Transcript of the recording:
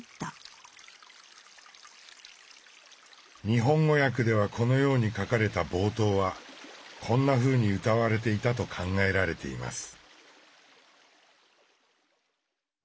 日本語訳ではこのように書かれた冒頭はこんなふうに謡われていたと考えられています。